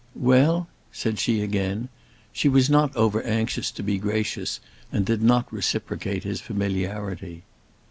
"Well?" said she again. She was not over anxious to be gracious, and did not reciprocate his familiarity.